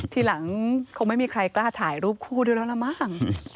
ทีหลังคงไม่มีใครกล้าถ่ายรูปคู่ด้วยแล้วล่ะมั้ง